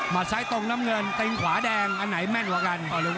ซ้ายตรงน้ำเงินตีนขวาแดงอันไหนแม่นกว่ากัน